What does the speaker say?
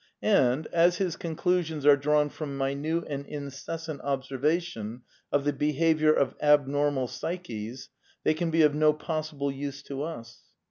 And, as his conclusions are drawn from minute and incessant observation of the be haviour of abnormal psyches, they can be of no possible use to us.